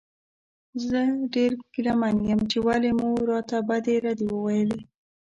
زه ډېر ګیله من یم چې ولې مو راته بدې ردې وویلې.